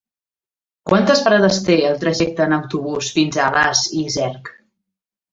Quantes parades té el trajecte en autobús fins a Alàs i Cerc?